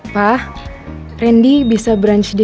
pa rendy bisa brunch di